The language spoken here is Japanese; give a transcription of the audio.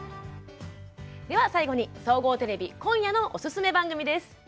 最後に総合テレビ今夜のおすすめ番組です。